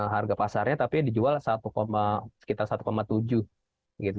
harga pasarnya tapi dijual sekitar satu tujuh gitu